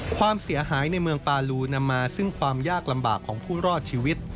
ความเสียหายในเมืองปาลูนำมาซึ่งความยากลำบากของผู้รอดชีวิต